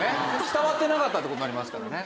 伝わってなかったって事になりますからね。